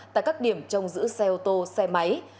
tại các điểm trông giữ xe ô tô xe máy